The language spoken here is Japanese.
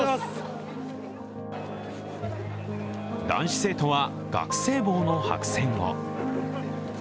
男子生徒は学生帽の白線を。